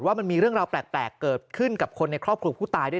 ว่ามันมีเรื่องราวแปลกเกิดขึ้นกับคนในครอบครัวผู้ตายด้วย